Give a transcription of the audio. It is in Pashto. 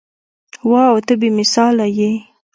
واو ته بې مثاله يې.